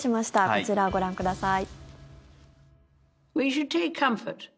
こちらをご覧ください。